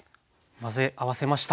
混ぜ合わせました。